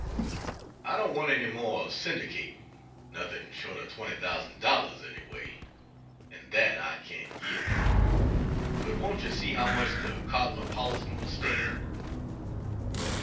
I don't want any more syndicating nothing short of $20,000, anyway, and that I can't get but won't you see how much the Cosmopolitan will stand?